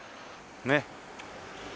ねっ。